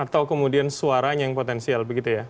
atau kemudian suaranya yang potensial begitu ya